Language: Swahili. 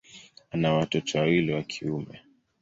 Ana watoto wawili wa kiume.